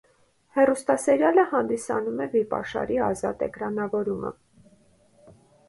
Հեռուստասերիալը հանդիսանում է վիպաշարի ազատ էկրանավորումը։